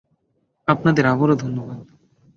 আপনাদের আবারো ধন্যবাদ।